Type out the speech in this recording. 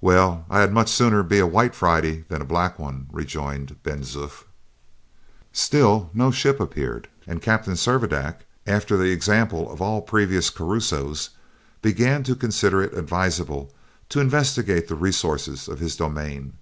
"Well, I had much sooner be a white Friday than a black one," rejoined Ben Zoof. Still no ship appeared; and Captain Servadac, after the example of all previous Crusoes, began to consider it advisable to investigate the resources of his domain.